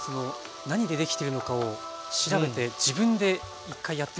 何でできているのかを調べて自分で一回やってみるっていう。